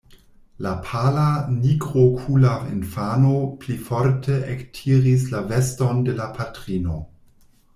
La pala nigrokula infano pli forte ektiris la veston de la patrino.